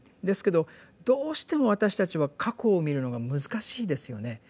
ですけどどうしても私たちは過去を見るのが難しいですよね。